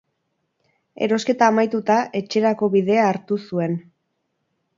Erosketa amaituta, etxerako bidea hartu zuen.